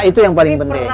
itu yang paling penting